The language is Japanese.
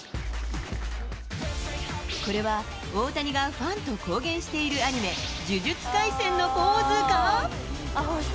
これは、大谷がファンと公言しているアニメ、呪術廻戦のポーズか？